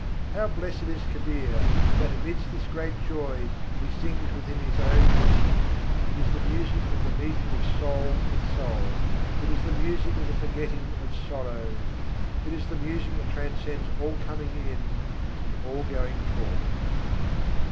How blessed is Kabîr, that amidst this great joy he sings within his own vessel. It is the music of the meeting of soul with soul; It is the music of the forgetting of sorrows; It is the music that transcends all coming in and all going forth.